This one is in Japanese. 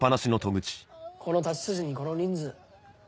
この太刀筋にこの人数。